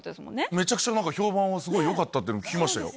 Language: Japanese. めちゃくちゃ評判はすごい良かったっていうのを聞きましたよ。